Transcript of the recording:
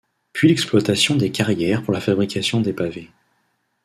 Puis l'exploitation des carrières pour la fabrication des pavés.